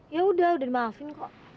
yaudah udah dimaafin kok